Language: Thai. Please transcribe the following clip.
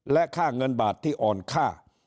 และค่าเงินบาทที่อ่อนค่า